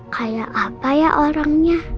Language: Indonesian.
kayak apa ya orangnya